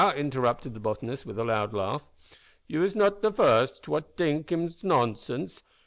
interrupted the botanist, with a loud laugh; "you is not the first what t'ink hims nonsense.